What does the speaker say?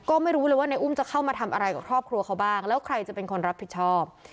ก็ไม่รู้เลยว่าในอุ้มจะเข้ามาทำอะไรกับครอบครัวเขาบ้างแล้วใครจะเป็นคนรับผิดชอบ